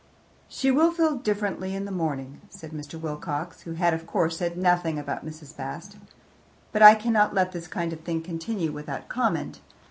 "She will feel differently in the morning," said Mr. Wilcox, who had of course said nothing about Mrs. Bast. "But I cannot let this kind of thing continue without comment.